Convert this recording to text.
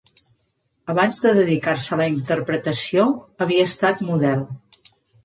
Abans de dedicar-se a la interpretació havia estat model.